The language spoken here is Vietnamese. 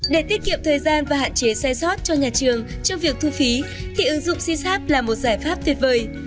để tiết kiệm thời gian và hạn chế sai sót cho nhà trường trong việc thu phí thì ứng dụng sysapp là một giải pháp tuyệt vời